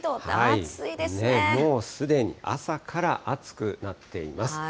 もうすでに朝から暑くなっています。